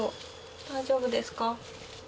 大丈夫ですか？